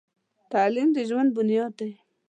تعلیم د ژوند بنیاد دی.